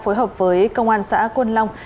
phối hợp với công an xã quân long